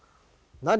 何？